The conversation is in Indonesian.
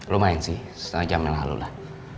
lumayan sih setengah jam melalulah